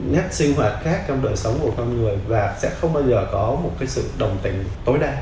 nét sinh hoạt khác trong đời sống của con người và sẽ không bao giờ có một sự đồng tình tối đa